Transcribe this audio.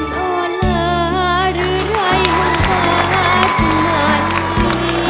ขอบคุณครับ